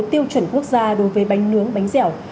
tiêu chuẩn quốc gia đối với bánh nướng bánh dẻo